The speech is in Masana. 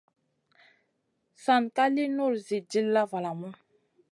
San ka lì nul Zi dilla valamu.